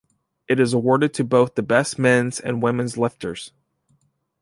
It is awarded to both the best men's and women's lifters.